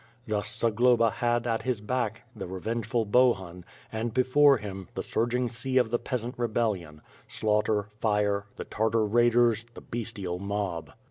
Thus Zagloba had, at his back, the revengeful Bohun, and be fore him, the surging sea of the peasant rebellion; slaughter, fire, the Tartar raiders, the bestial mob.